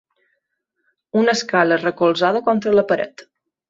Una escala recolzada contra la paret.